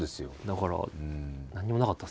だから何もなかったですね。